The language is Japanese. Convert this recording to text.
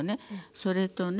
それとね